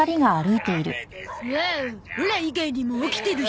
オラ以外にも起きてる人が。